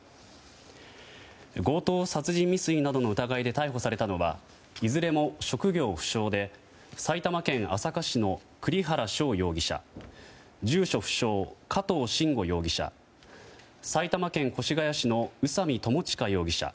強盗殺人未遂などの疑いで逮捕されたのはいずれも職業不詳で埼玉県朝霞市の栗原翔容疑者住所不詳、加藤臣吾容疑者埼玉県越谷市の宇佐美巴悠容疑者